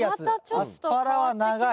アスパラは長い。